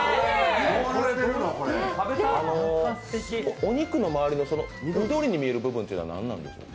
お肉のまわりの緑に見える部分というのは何なんですか？